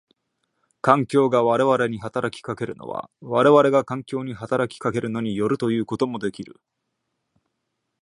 環境が我々に働きかけるのは我々が環境に働きかけるのに依るということもできる。